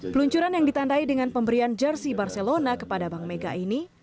peluncuran yang ditandai dengan pemberian jersey barcelona kepada bank mega ini